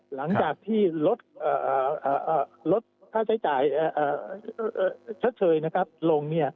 หลังจากที่ลดลดค่าใช้จ่ายเริ่มลง